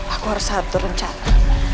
aku harus satu rencana